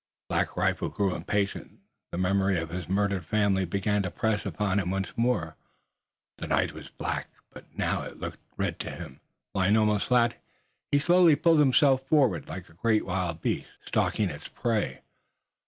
Black Rifle grew impatient. The memory of his murdered family began to press upon him once more. The night was black, but now it looked red to him. Lying almost flat, he slowly pulled himself forward like a great wild beast, stalking its prey.